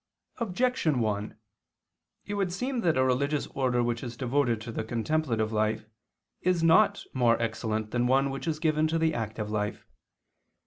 Objection 1: It would seem that a religious order which is devoted to the contemplative life is not more excellent than one which is given to the active life.